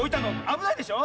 あぶないでしょ！